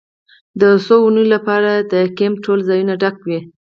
د څو اونیو لپاره د کیمپ ټول ځایونه ډک وي